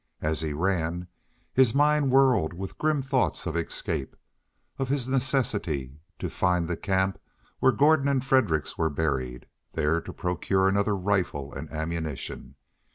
As he ran, his mind whirled with grim thoughts of escape, of his necessity to find the camp where Gordon and Fredericks were buried, there to procure another rifle and ammunition.